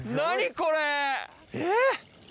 これえっ。